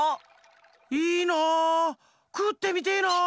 いいなくってみてえな。